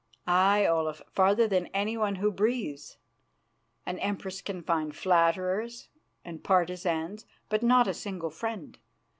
"Aye, Olaf; farther than anyone who breathes. An Empress can find flatterers and partisans, but not a single friend.